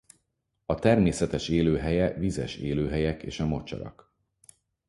A természetes élőhelye vizes élőhelyek és a mocsarak.